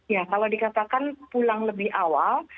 ya kalau dikatakan pulang lebih awal